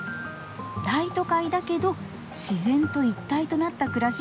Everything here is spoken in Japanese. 大都会だけど自然と一体となった暮らしができるんだとか。